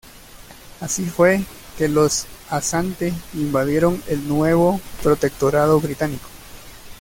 Así fue que los asante invadieron el nuevo protectorado británico.